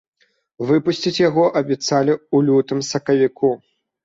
Выпусціць яго абяцалі ў лютым-сакавіку.